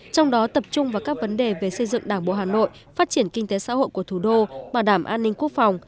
trong đó tập trung vào các vấn đề về xây dựng đảng bộ hà nội phát triển kinh tế xã hội của thủ đô bảo đảm an ninh quốc phòng